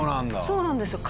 そうなんですよ。